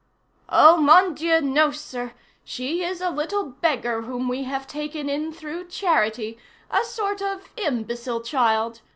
"Oh! mon Dieu! no, sir! she is a little beggar whom we have taken in through charity; a sort of imbecile child.